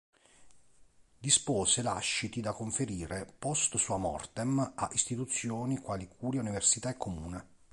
Dispose lasciti da conferire "post sua mortem" a Istituzioni quali Curia, Università e Comune.